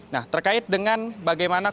nah terkait dengan bagaimana